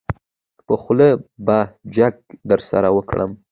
په خوله به جګ درسره وکړم.